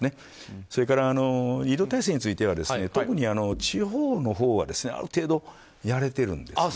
それから医療体制については特に地方のほうは、ある程度やれているんです。